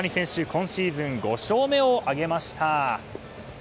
今シーズン５勝目を挙げました。